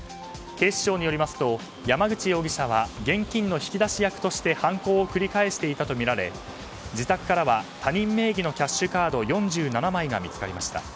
警視庁によりますと山口容疑者は現金の引き出し役として犯行を繰り返していたとみられ自宅からは他人名義のキャッシュカード４７枚が見つかりました。